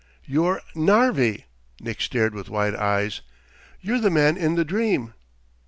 "You're Narvi!" Nick stared with wide eyes. "You're the man in the dream!"